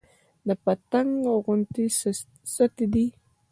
د پتنګ غوندې ستي دى